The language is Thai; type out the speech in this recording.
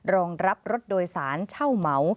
รองรับรถโดยสารเช่าเหมา